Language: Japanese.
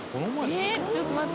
「ええちょっと待って」